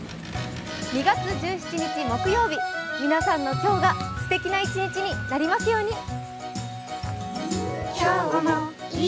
２月１７日木曜日、皆さんの今日がすてきな一日になりますように。